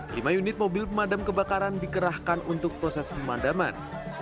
lima unit mobil pemadam kebakaran dikerahkan untuk proses pemadaman